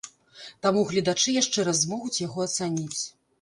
Таму гледачы яшчэ раз змогуць яго ацаніць.